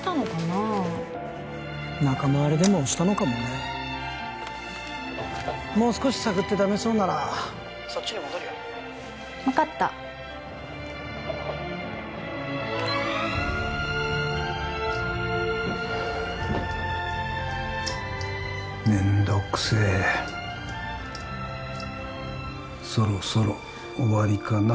あ仲間割れでもしたのかもねもう少し探ってダメそうなら☎そっちに戻るよ分かったはあめんどくせえそろそろ終わりかな